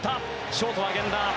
ショートは源田。